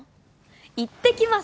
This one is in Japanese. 行ってきます